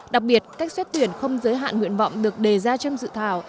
đặc biệt cách xét tuyển không giới hạn nguyện vọng được đề ra trong dự thảo